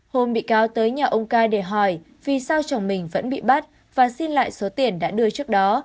hôm bị cáo tới nhà ông cai để hỏi vì sao chồng mình vẫn bị bắt và xin lại số tiền đã đưa trước đó